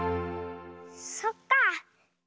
そっか。